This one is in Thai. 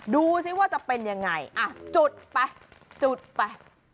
ดูสิว่าจะเป็นยังไงอ่ะจุดไปจุดไป